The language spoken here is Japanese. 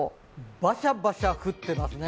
バシャバシャ降ってますね。